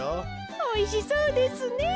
おいしそうですね。